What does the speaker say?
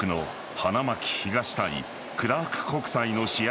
花巻東対クラーク国際の試合